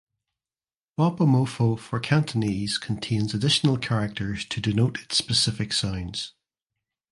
Bopomofo for Cantonese contains additional characters to denote its specific sounds.